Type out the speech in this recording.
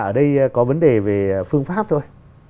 ở đây có vấn đề về phương pháp thôi